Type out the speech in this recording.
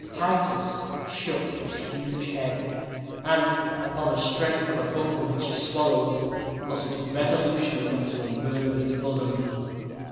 Titus shook his huge head, and, upon the strength of a bumper which he swallowed, mustered resolution enough to unburden his bosom.